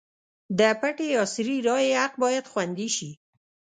د پټې یا سري رایې حق باید خوندي شي.